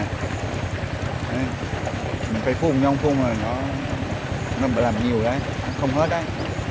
mình phải phun nhông phun rồi nó làm nhiều đấy không hết đấy